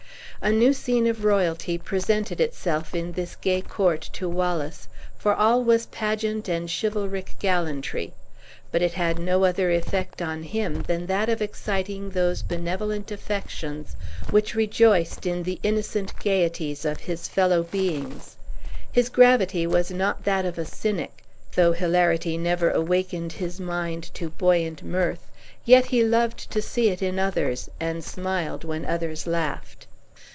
A new scene of royalty presented itself in this gay court to Wallace, for all was pageant and chivalric gallantry; but it had no other effect on him than that of exciting those benevolent affections which rejoiced in the innocent gayeties of his fellow beings. His gravity was not that of a cynic. Though hilarity never awakened his mind to buoyant mirth, yet he loved to see it in others, and smiled when others laughed.